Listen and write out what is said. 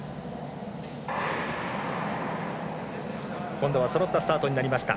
今度はそろったスタートとなりました。